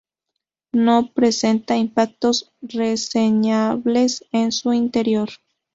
No presenta impactos reseñables en su interior.